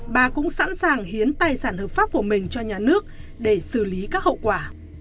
bà cũng sẵn sàng hiến tài sản hợp pháp của mình cho nhà nước để xử lý các hậu quả